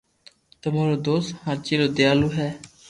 تمو رو دوست ھاچيلي ديالو ھي